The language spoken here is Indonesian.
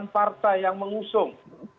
delapan partai yang mengusung